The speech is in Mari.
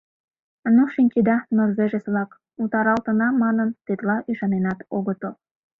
Ну, шинчеда, норвежец-влак, утаралтына манын, тетла ӱшаненат огытыл.